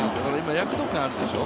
躍動感あるでしょ？